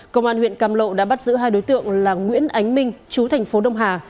công an huyện cam lộ đã bắt giữ hai đối tượng là nguyễn ánh minh chú thành phố đông hà